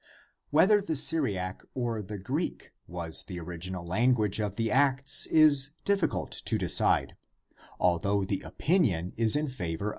Whether the Syriac or the Greek was the original language of the Acts is difficult to decide, although the opinion is in favor of the latter.